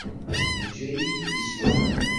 Yeǧǧa-iyi-d tisura.